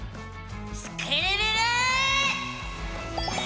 スクるるる！